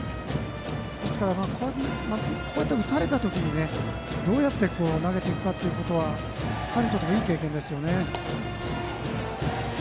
ですから、こうやって打たれた時どうやって投げていくかは彼にとってもいい経験ですよね。